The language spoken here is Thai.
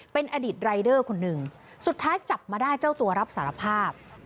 เป็นอดีตรายเดอร์คนหนึ่งสุดท้ายจับมาได้เจ้าตัวรับสารภาพ